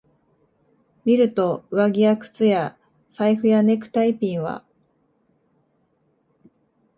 見ると、上着や靴や財布やネクタイピンは、